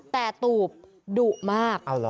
แต่ตูบดุมาก